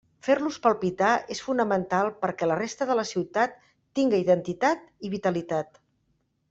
Fer-los palpitar és fonamental perquè la resta de la ciutat tinga identitat i vitalitat.